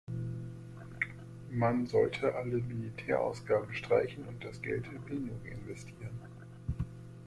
Man sollte alle Militärausgaben streichen und das Geld in Bildung investieren.